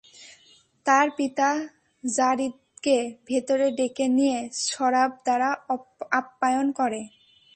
তার পিতা যারীদকে ভেতরে ডেকে নিয়ে শরাব দ্বারা আপ্যায়ন করে।